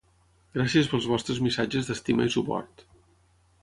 Gràcies pels vostres missatges d’estima i suport.